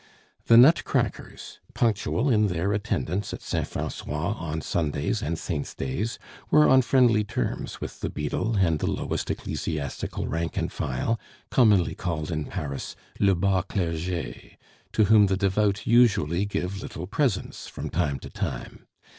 The "nutcrackers," punctual in their attendance at Saint Francois on Sundays and saints' days, were on friendly terms with the beadle and the lowest ecclesiastical rank and file, commonly called in Paris le bas clerge, to whom the devout usually give little presents from time to time.